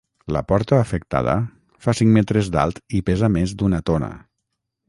La porta afectada fa cinc metres d’alt i pesa més d’una tona.